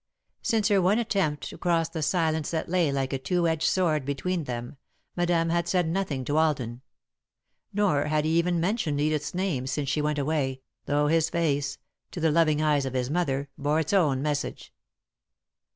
Since her one attempt to cross the silence that lay like a two edged sword between them, Madame had said nothing to Alden. Nor had he even mentioned Edith's name since she went away, though his face, to the loving eyes of his mother, bore its own message.